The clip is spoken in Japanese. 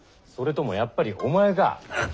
それともやっぱりお前か！